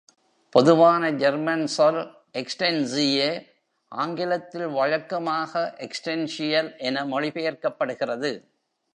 பொதுவான ஜெர்மன் சொல் "existenziell", ஆங்கிலத்தில் வழக்கமாக "existential" என மொழி பெயர்க்கப்படுகிறது.